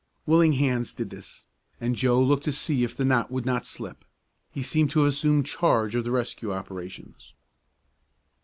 Willing hands did this, and Joe looked to see if the knot would not slip. He seemed to have assumed charge of the rescue operations.